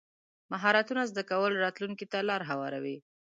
مهارتونه زده کول راتلونکي ته لار هواروي.